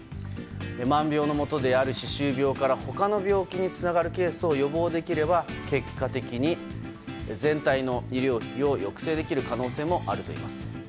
万病のもとである歯周病から他の病気につながるケースを予防できれば結果的に全体の医療費を抑制できる可能性もあるといいます。